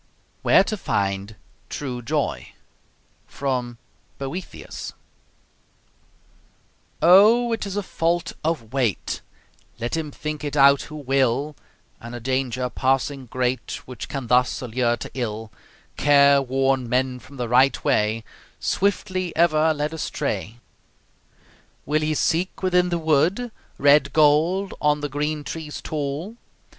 WHERE TO FIND TRUE JOY From 'Boethius' Oh! It is a fault of weight, Let him think it out who will, And a danger passing great Which can thus allure to ill Careworn men from the rightway, Swiftly ever led astray. Will ye seek within the wood Red gold on the green trees tall?